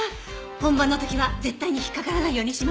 本番の時は絶対に引っ掛からないようにします。